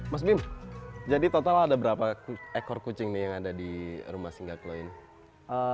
mas bim jadi total ada berapa ekor kucing nih yang ada di rumah singga klo ini